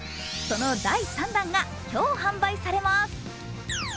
その第３弾が今日、販売されます。